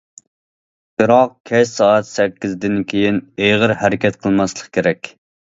بىراق كەچ سائەت سەككىزدىن كېيىن ئېغىر ھەرىكەت قىلماسلىق كېرەك.